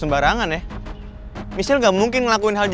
baiklah bu mila